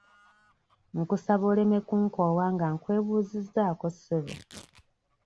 Nkusaba oleme kunkoowa nga nkwebuuzizzaako ssebo.